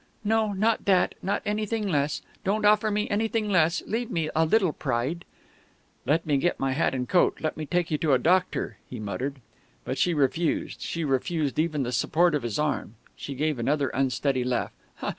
"No, not that not anything less don't offer me anything less leave me a little pride " "Let me get my hat and coat let me take you to a doctor," he muttered. But she refused. She refused even the support of his arm. She gave another unsteady laugh.